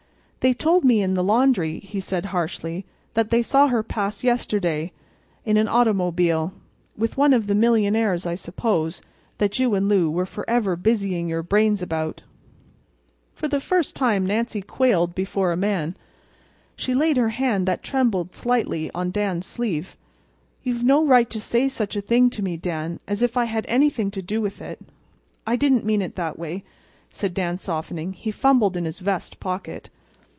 "They told me in the laundry," he said, harshly, "that they saw her pass yesterday—in an automobile. With one of the millionaires, I suppose, that you and Lou were forever busying your brains about." For the first time Nancy quailed before a man. She laid her hand that trembled slightly on Dan's sleeve. "You've no right to say such a thing to me, Dan—as if I had anything to do with it!" "I didn't mean it that way," said Dan, softening. He fumbled in his vest pocket.